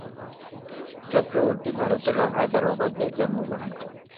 চক্রবর্তী ভারতের হায়দ্রাবাদে জন্মগ্রহণ করেন।